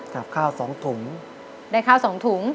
ครับข้าว๒ถุงได้ข้าว๒ถุง